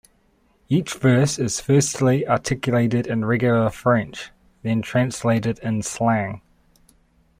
Each verse is firstly articulated in regular French, then translated in slang.